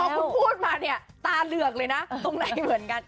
คุณพูดมาเนี่ยตาเหลือกเลยนะตรงไหนเหมือนกัน